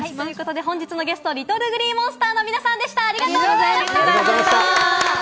本日のゲスト、ＬｉｔｔｌｅＧｌｅｅＭｏｎｓｔｅｒの皆さんでした、ありがとうございました。